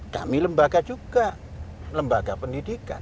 kami lembaga juga lembaga pendidikan